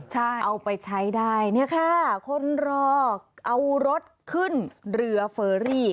ใช่เอาไปใช้ได้เนี่ยค่ะคนรอเอารถขึ้นเรือเฟอรี่